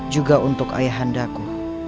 juga untuk ayahandaku